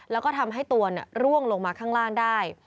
แล้วก็ทำให้ตัวร่วงลงมาข้างล่างได้